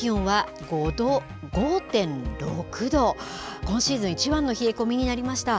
けさの最低気温は５．６度、今シーズン一番の冷え込みになりました。